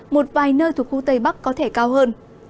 một vài nơi thuộc khu tây bắc có thể cao hơn